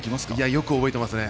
よく覚えてますね。